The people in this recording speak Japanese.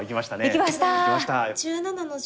いきました！